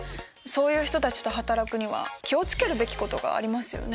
そういう人たちと働くには気を付けるべきことがありますよね。